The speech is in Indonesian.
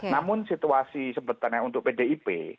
namun situasi sebetulnya untuk pdip